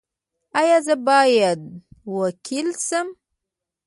ایا زه باید وکیل شم؟